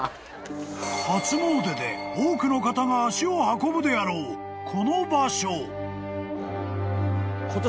［初詣で多くの方が足を運ぶであろうこの場所］